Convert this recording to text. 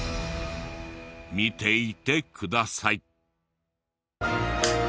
見ていてください。